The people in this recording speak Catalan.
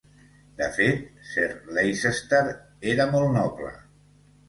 De fet, Sir Leicester era molt noble.